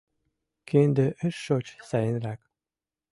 Кинде ыш шоч сайынрак